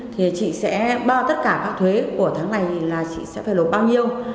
thì chị sẽ bao tất cả các thuế của tháng này là chị sẽ phải nộp bao nhiêu